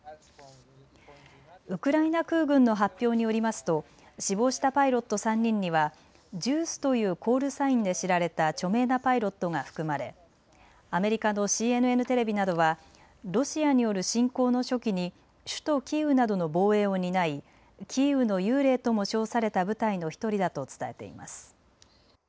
ウクライナ空軍の発表によりますと死亡したパイロット３人にはＪＵＩＣＥというコールサインで知られた著名なパイロットが含まれ、アメリカのＣＮＮテレビなどはロシアによる侵攻の初期に首都キーウなどの防衛を担いキーウの幽霊とも称された部隊の１人だと伝えています。